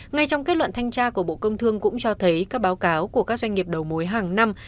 ngay trong kết luận thanh tra của bộ công thương cũng cho thấy các báo cáo của các doanh nghiệp đầu mối hàng năm